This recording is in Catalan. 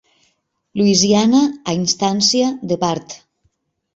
Louisiana a instància de part